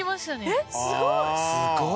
えっすごい！